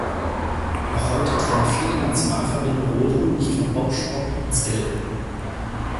Noch heute trennen viele Nationalverbände Rodeln nicht von Bobsport und Skeleton.